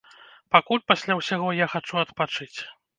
Пакуль пасля ўсяго я хачу адпачыць.